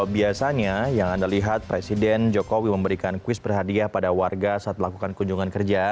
biasanya yang anda lihat presiden jokowi memberikan kuis berhadiah pada warga saat melakukan kunjungan kerja